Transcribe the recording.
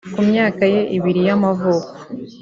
ku myaka ye ibiri y’amavuko